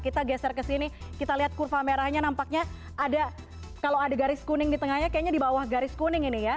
kita geser ke sini kita lihat kurva merahnya nampaknya ada kalau ada garis kuning di tengahnya kayaknya di bawah garis kuning ini ya